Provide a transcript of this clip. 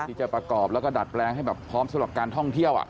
ที่จะประกอบแล้วก็ดัดแปลงให้แบบพร้อมสำหรับการท่องเที่ยว